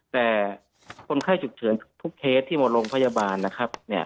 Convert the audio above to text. แต่คนไข้ฉุกเฉินทุกเคสที่หมดโรงพยาบาลนะครับ